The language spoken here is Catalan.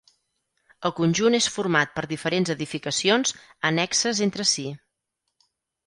El conjunt és format per diferents edificacions annexes entre si.